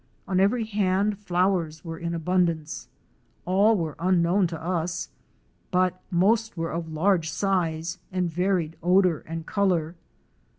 On every hand flowers were in abundance. All were unknown to us, but most were of large size and varied odor and color.